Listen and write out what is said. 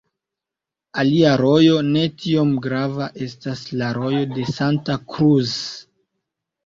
Alia rojo ne tiom grava estas la Rojo de Santa Cruz.